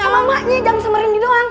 sama emaknya jangan sama rendy doang